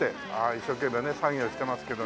一生懸命ね作業してますけど。